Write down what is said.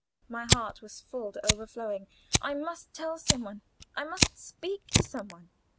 My heart was full to overflowing; I must tell some one I must speak to some one.